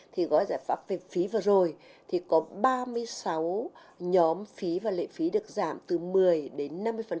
thì gói giải pháp về phí vừa rồi thì có ba mươi sáu nhóm phí và lệ phí được giảm từ một mươi đến năm mươi